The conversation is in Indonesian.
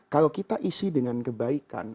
kalau kita isi dengan kebaikan